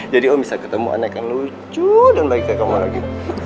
jadi om bisa ketemu anek yang lucu dan baik kayak kamu lagi